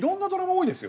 多いです。